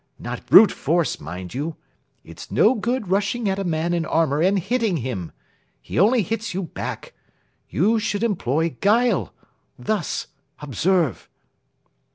Not brute force, mind you. It's no good rushing at a man in armour and hitting him. He only hits you back. You should employ guile. Thus. Observe."